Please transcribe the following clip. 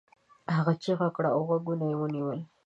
هغه چیغه کړه او غوږونه یې ونيول.